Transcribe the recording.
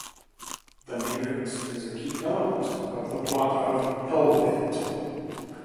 The Matrix is a key element of the plot of "Hell Bent".